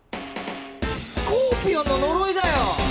「スコーピオンの呪い」だよ！